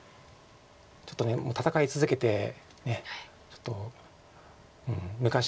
ちょっともう戦い続けてちょっと昔の。